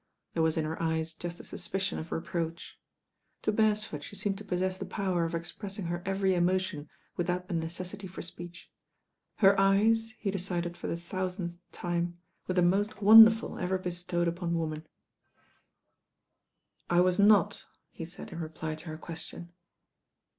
There was in her eyes just a suspicion of reproach. To Beresford she seemed to possess the power of expressing her every emotion without the necessity for speech. Her eyes, he decided for the thousandth time, were the most wonderful ever bestowed upon woman. A QUESTION OF ANKLES 189 "I was not," he said in reply to her question.